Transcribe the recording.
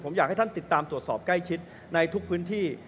ผมอยากให้ท่านติดตามตรวจสอบใกล้ชิดในทุกพื้นที่